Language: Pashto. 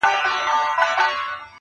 راته را يې کړې په لپو کي سندرې,